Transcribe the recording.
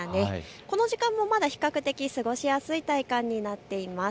この時間もまだ比較的過ごしやすい体感になっています。